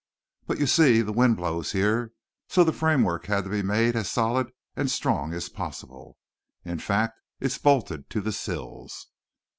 "But you see the wind blows here, so the framework had to be made as solid and strong as possible. In fact, it's bolted to the sills."